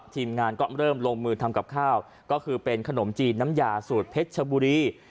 ทีมงานก็เริ่มลงมือทำกับข้าวก็คือเป็นขนมจีนน้ำยาสูตรเพชรชบุรี